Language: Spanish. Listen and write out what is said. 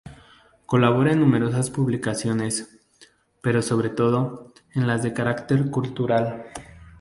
Colabora en numerosas publicaciones, pero, sobre todo, en las de carácter cultural.